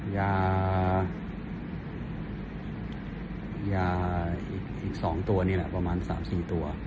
ยายาอีก๒ตัวนี่แหละประมาณ๓๔ตัว